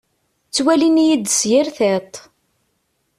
Ttwalin-iyi-d s yir tiṭ.